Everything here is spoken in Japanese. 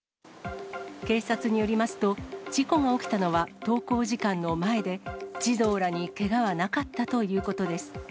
警察によりますと、事故が起きたのは登校時間の前で、児童らにけがはなかったということです。